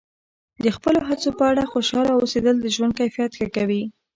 د خپلو هڅو په اړه خوشحاله اوسیدل د ژوند کیفیت ښه کوي.